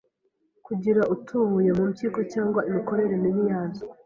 kugira utubuye mu mpyiko cg imikorere mibi yazo